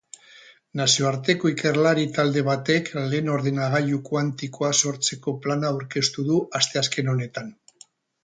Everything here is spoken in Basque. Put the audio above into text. Nazioarteko ikerlari talde batek lehen ordenagailu kuantikoa sortzeko plana aurkeztu du asteazken honetan.